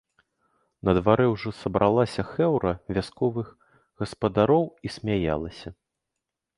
На дварэ ўжо сабралася хэўра вясковых гаспадароў і смяялася.